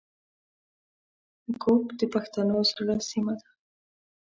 ږوب د پښتنو زړه سیمه ده